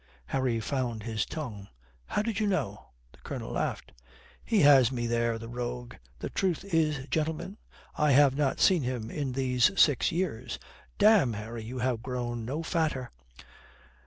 Harry found his tongue. "How did you know?" The Colonel laughed. "He has me there, the rogue. The truth is, gentlemen, I have not seen him in these six years. Damme, Harry, you are grown no fatter."